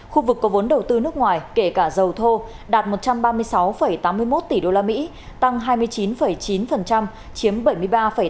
khu vực có vốn đầu tư nước ngoài kể cả dầu thô đạt một trăm ba mươi sáu tám mươi một tỷ usd tăng hai mươi chín chín chiếm bảy mươi ba tám